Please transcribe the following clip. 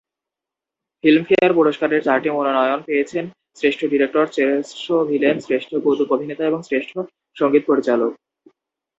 Filmfare পুরস্কার-এর চারটি মনোনয়ন পেয়েছেন: শ্রেষ্ঠ ডিরেক্টর, শ্রেষ্ঠ ভিলেন, শ্রেষ্ঠ কৌতুক অভিনেতা এবং শ্রেষ্ঠ সঙ্গীত পরিচালক।